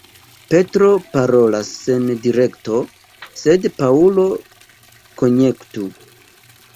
Petro parolas sen direkto, sed Paŭlo konjektu.